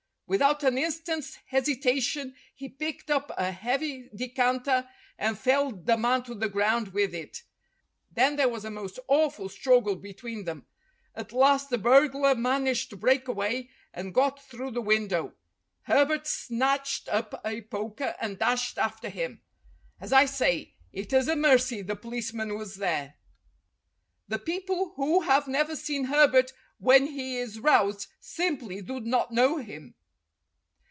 Without an instant's hesitation he picked up a heavy decanter and felled the man to the ground with it. Then there was a most awful struggle between them. At last the burg lar managed to break away and got through the win dow. Herbert snatched up a poker and dashed after him. As I say, it is a mercy the policeman was there. THE HERO AND THE BURGLAR 277 The people who have never seen Herbert when he is roused simply do not know him."